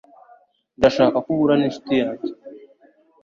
Ndashaka ko uhura ninshuti yanjye.